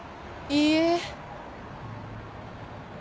いいえ。